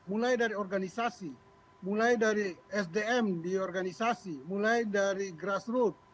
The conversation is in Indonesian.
mulai dari organisasi mulai dari sdm di organisasi mulai dari grassroot